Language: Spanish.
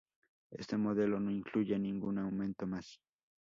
Este modelo no incluye ningún aumento más.